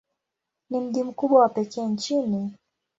Ni mji mkubwa wa pekee nchini.